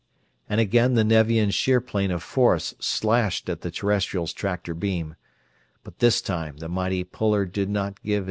And again the Nevian shear plane of force slashed at the Terrestrial's tractor beam; but this time the mighty puller did not give way.